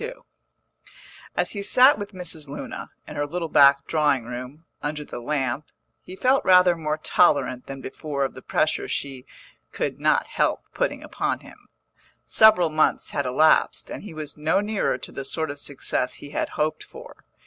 XXII As he sat with Mrs. Luna, in her little back drawing room, under the lamp, he felt rather more tolerant than before of the pressure she could not help putting upon him. Several months had elapsed, and he was no nearer to the sort of success he had hoped for.